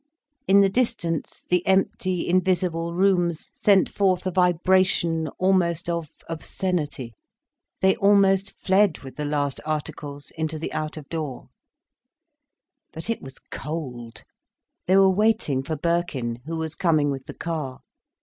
In the distance the empty, invisible rooms sent forth a vibration almost of obscenity. They almost fled with the last articles, into the out of door. But it was cold. They were waiting for Birkin, who was coming with the car.